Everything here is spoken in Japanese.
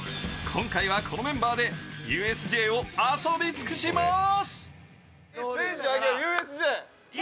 今回はこのメンバーでＵＳＪを遊び尽くします！